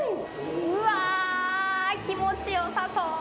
うわー、気持ちよさそう。